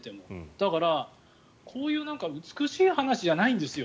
だから、こういう美しい話じゃないんですよ。